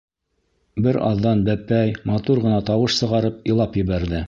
Бер аҙҙан бәпәй, матур ғына тауыш сығарып, илап ебәрҙе.